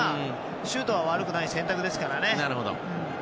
シュートは悪くない選択ですからね。